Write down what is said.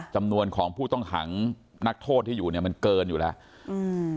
จำนวนของผู้ต้องขังนักโทษที่อยู่เนี่ยมันเกินอยู่แล้วอืม